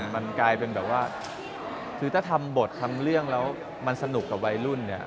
มันกลายเป็นแบบว่าคือถ้าทำบททำเรื่องแล้วมันสนุกกับวัยรุ่นเนี่ย